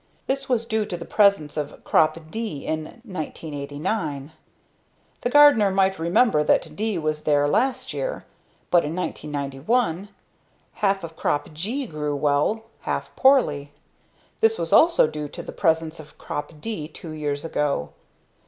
this was due to the presence of crop "D" in 1989. The gardener might remember that "D" was there last year. But in 1991, half of crop "G" grew well, half poorly. This was also due to the presence of crop "D" two years ago.